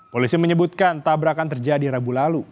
polisi menyebutkan tabrakan terjadi rabu lalu